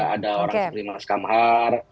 ada orang seperti mas kamhar